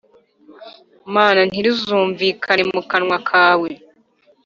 mana ntirizumvikane mu kanwa kawe